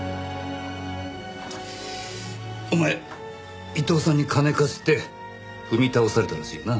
お前伊藤さんに金貸して踏み倒されたらしいな。